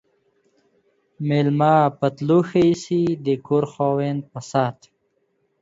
ميلمه په تلو ښه ايسي ، د کور خاوند په ست.